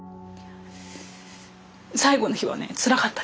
最後の日はねつらかったです